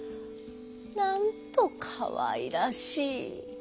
なんとかわいらしい！」。